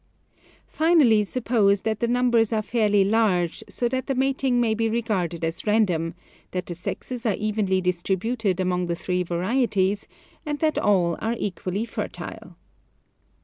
Finally, sup pose that the numbers are fairly large, so that the mating may be regarded as random, that the sexes are evenly distributed among the three varieties, and that all are equally fertile.